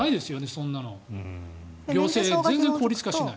そんなの行政全然効率化しない。